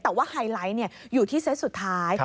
แต่ว่าไฮไลท์อยู่ที่เซตสุดท้าย